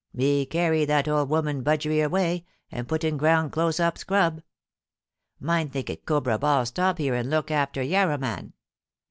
Me carry that ole woman budgery way, and put in ground close up scrub." Mine think it Cobra Ball stop here and look after yarraman.